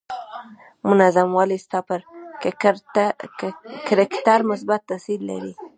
منظم والی ستا پر کرکټر مثبت تاثير لري.